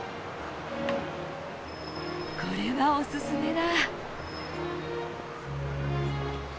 これはおすすめだ！